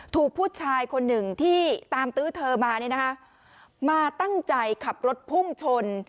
ถูกผู้ชายคนหนึ่งที่ตามตื้อเธอมาเนี่ยนะคะมาตั้งใจขับรถพุ่งชน